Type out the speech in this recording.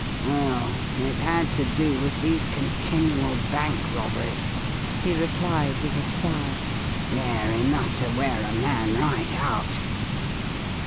"Oh, it had to do with these continual bank robberies," he replied with a sigh. "They're enough to wear a man right out.